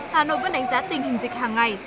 hà nội vẫn đánh giá tình hình dịch hàng ngày